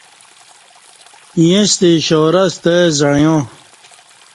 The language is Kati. ایݩستہ اشارہ ستہ زعݩیا